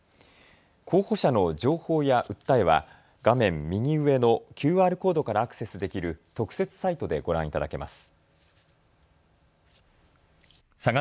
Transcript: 候補者の情報や訴えは画面右上のＱＲコードからアクセスできる特設サイトでご覧いただけます。